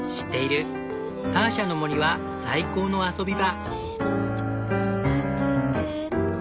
ターシャの森は最高の遊び場。